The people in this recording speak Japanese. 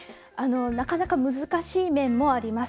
なかなか難しい面もあります。